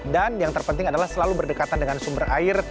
dan yang terpenting adalah selalu berdekatan dengan sumber air